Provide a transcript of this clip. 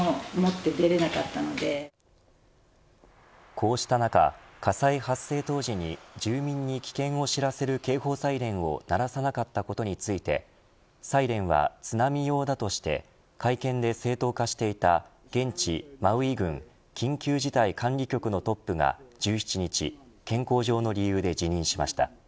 こうした中、火災発生当時に住民に危険を知らせる警報サイレンを鳴らさなかったことについてサイレンは津波用だとして会見で正当化していた現地、マウイ郡緊急事態管理局のトップが１７日、健康上の理由で辞任しました。